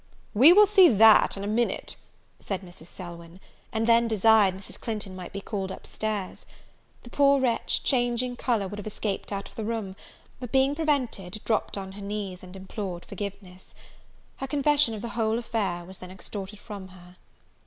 "We will see that in a minute," said Mrs. Selwyn; and then desired Mrs. Clinton might be called up stairs. The poor wretch, changing colour, would have escaped out of the room; but, being prevented, dropt on her knees, and implored forgiveness. A confession of the whole affair was then extorted from her.